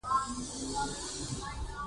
څه سوې بوره يې كړم چېرته يې ځان راورسوه.